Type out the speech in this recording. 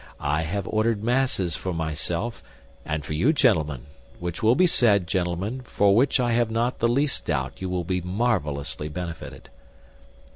I have ordered Masses for myself, and for you, gentlemen, which will be said, gentlemen, for which I have not the least doubt you will be marvelously benefited."